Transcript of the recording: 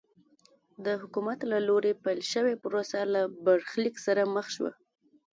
د حکومت له لوري پیل شوې پروسه له برخلیک سره مخ شوه.